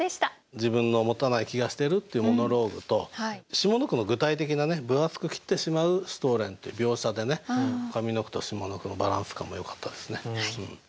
自分の「もたない気がしてる」っていうモノローグと下の句の具体的な「分厚く切ってしまうシュトレン」って描写で上の句と下の句のバランス感もよかったですね。